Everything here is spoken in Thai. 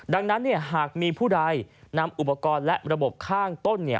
ดังนั้นหากมีผู้ใดนำอุปกรณ์และระบบข้างต้น